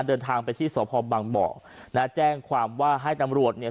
เดินทางไปที่สพบังบ่อนะแจ้งความว่าให้ตำรวจเนี่ย